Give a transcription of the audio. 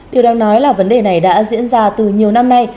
điều đang nói là vấn đề này đã diễn ra từ nhiều năm nay